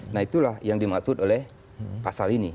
nah itulah yang dimaksud oleh pasal ini